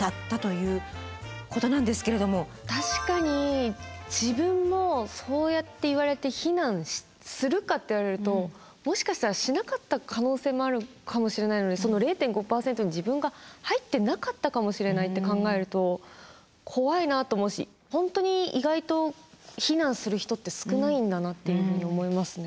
確かに自分もそうやって言われて避難するかって言われるともしかしたらしなかった可能性もあるかもしれないのでその０．５％に自分が入ってなかったかもしれないって考えると怖いなと思うし本当に意外と避難する人って少ないんだなっていうふうに思いますね。